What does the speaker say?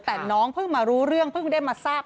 แต่น้องเพิ่งมารู้เรื่องเพิ่งได้มาทราบ